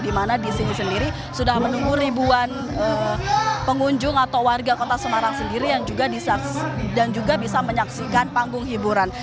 di mana di sini sendiri sudah menunggu ribuan pengunjung atau warga kota semarang sendiri yang juga bisa menyaksikan panggung hiburan